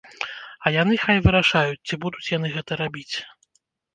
А яны хай вырашаюць, ці будуць яны гэта рабіць.